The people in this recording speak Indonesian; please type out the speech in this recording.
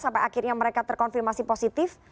sampai akhirnya mereka terkonfirmasi positif